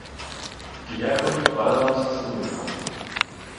Die Herkunft Walrams ist unbekannt.